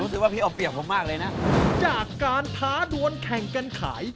พี่ว่าพี่เอาเปรียบผมมากเลยนะจากการท้าดวนแข่งกันขาย